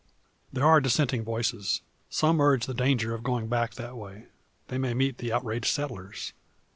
There are dissenting voices. Some urge the danger of going back that way. They may meet the outraged settlers.